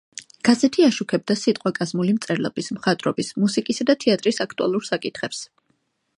გაზეთი აშუქებდა სიტყვაკაზმული მწერლობის, მხატვრობის, მუსიკისა და თეატრის აქტუალურ საკითხებს.